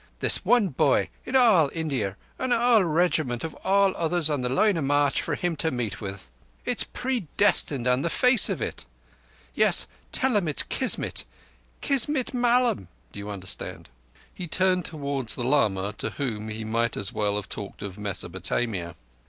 This one boy in all India, and our Regiment of all others on the line o' march for him to meet with! It's predestined on the face of it. Yes, tell him it's Kismet. Kismet, mallum? (Do you understand?)" He turned towards the lama, to whom he might as well have talked of Mesopotamia.